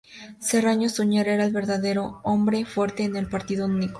Serrano Suñer era el verdadero hombre fuerte en el partido único.